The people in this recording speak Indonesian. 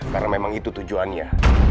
karena memang itu tujuannya